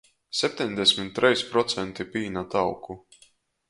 Septeņdesmit treis procenti pīna tauku.